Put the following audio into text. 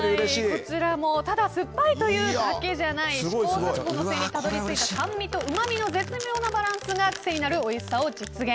こちらもただ酸っぱいというだけじゃない試行錯誤の末にたどり着いた酸味とうまみの絶妙なバランスが癖になるおいしさを実現。